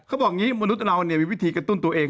เขาบอกอย่างนี้มนุษย์เรามีวิธีกระตุ้นตัวเอง